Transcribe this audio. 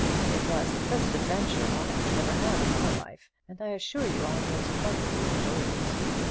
It was the first adventure I had ever had in my life, and I assure you I most heartily enjoyed it.